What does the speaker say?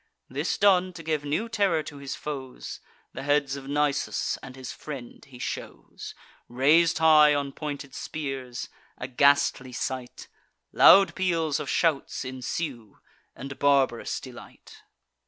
This done—to give new terror to his foes, The heads of Nisus and his friend he shows, Rais'd high on pointed spears—a ghastly sight: Loud peals of shouts ensue, and barbarous delight.